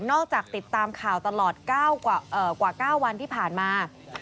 จากติดตามข่าวตลอดกว่า๙วันที่ผ่านมา